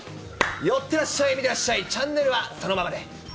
寄っていらっしゃい、見ていらっしゃい、チャンネルはそのままで。